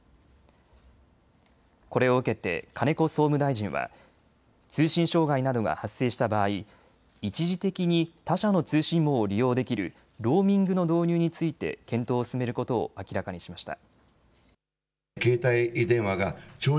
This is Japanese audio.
これを受けて金子総務大臣は通信障害などが発生した場合、一時的に他社の通信網を利用できるローミングの導入について検討を進めることを明らかにしました。